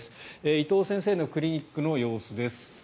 伊藤先生のクリニックの様子です。